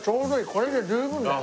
これで十分だよね。